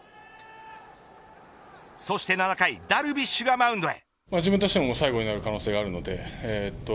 そして７回ダルビッシュがマウンドへ。